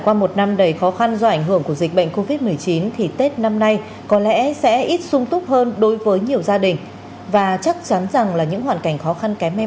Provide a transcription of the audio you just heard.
cảm ơn các bạn đã theo dõi và hẹn gặp lại